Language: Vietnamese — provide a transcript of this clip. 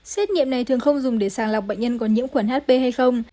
xét nghiệm này thường không dùng để sàng lọc bệnh nhân có nhiễm khuẩn hp hay không